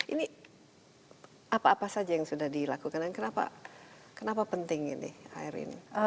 ini apa apa saja yang sudah dilakukan kenapa penting ini ayrin